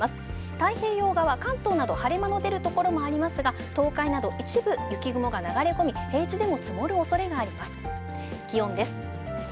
太平洋側、関東など、晴れ間の出る所もありますが、東海など一部、雪雲が流れ込み、平地でも積もるおそれがあります。